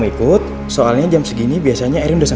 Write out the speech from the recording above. aku tahu helmnya pasal kecewasan